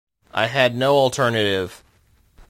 I had no alternative.